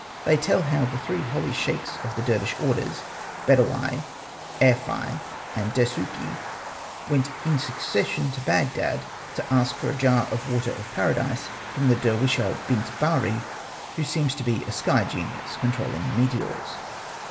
They tell how the three holy shekhs of the Dervish orders, Bedawi, Erfa'i, and Desuki, went in succession to Baghdad to ask for a jar of water of Paradise from the Derwisha Bint Bari, who seems to be a sky genius, controlling the meteors.